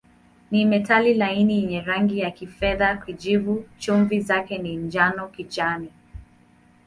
Ni metali laini yenye rangi ya kifedha-kijivu, chumvi zake ni njano-kijani.